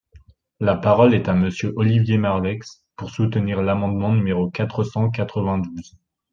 La parole est à Monsieur Olivier Marleix, pour soutenir l’amendement numéro quatre cent quatre-vingt-douze.